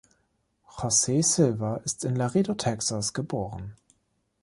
Jose Silva ist in Laredo, Texas, geboren.